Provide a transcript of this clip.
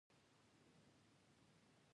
هرات د افغانستان د پوهنې نصاب کې شامل دی.